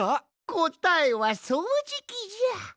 こたえはそうじきじゃ！